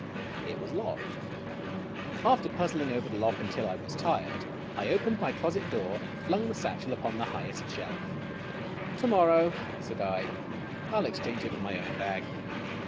It was locked. After puzzling over the lock until I was tired, I opened my closet cloor and flung the satchel upon the highest shelf. "To morrow," said I, " I '11 exchange it for my own bag."